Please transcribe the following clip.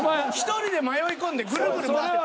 １人で迷い込んでグルグル回って。